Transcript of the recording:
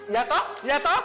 ya toh ya toh